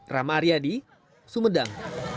rama aryadi sumedang